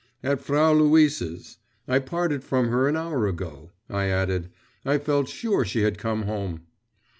'At Frau Luise's. I parted from her an hour ago,' I added. 'I felt sure she had come home.